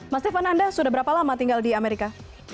mas evan anda sudah berapa lama tinggal di amerika